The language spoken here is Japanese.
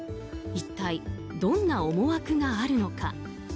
一体どんな思惑があるのか。